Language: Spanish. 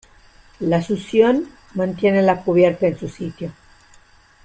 La succión mantiene la cubierta en su sitio.